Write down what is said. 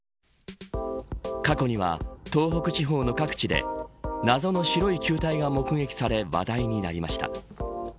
過去には、東北地方の各地で謎の白い球体が目撃され話題になりました。